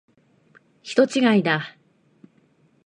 人違いだ。